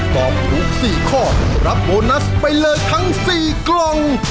ตอบถูก๔ข้อรับโบนัสไปเลยทั้ง๔กล่อง